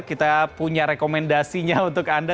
kita punya rekomendasinya untuk anda